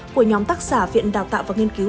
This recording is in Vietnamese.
của nhóm tác giả viện đào tạo và nghiên cứu